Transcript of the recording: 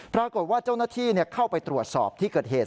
ปรากฏว่าเจ้าหน้าที่เข้าไปตรวจสอบที่เกิดเหตุ